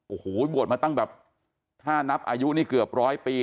โอ้โหบวชมาตั้งแบบถ้านับอายุนี่เกือบร้อยปี